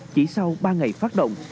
chỉ sau ba ngày phát động